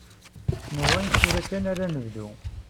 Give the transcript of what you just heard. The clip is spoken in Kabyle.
Nwan tura kan ara nebdu.